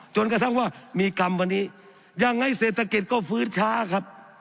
จนกระทั่งว่ามีกรรมวันนี้ยังไงเศรษฐกิจก็ฟื้นช้าครับ